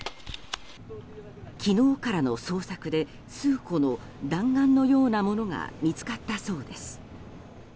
昨日からの捜索で数個の弾丸のようなものが見つかったそうです。